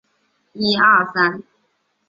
抽出半天的时间